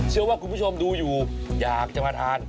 เชื่อว่ากลุ่มผู้ชมดูอยู่ยากจะมาทาน